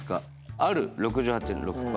「ある」６８．６％。